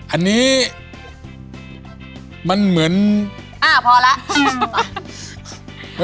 อันนี้มันเหมือนอ่าพอละ